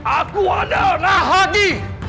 aku adalah hak hati